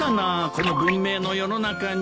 この文明の世の中に。